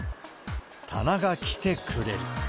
棚が来てくれる。